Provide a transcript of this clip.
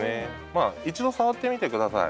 まあ一度触ってみて下さい。